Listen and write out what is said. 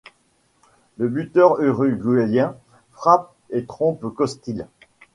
Le buteur Uruguayen frappe et trompe Costil.